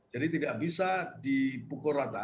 jadi tidak bisa dipukul rata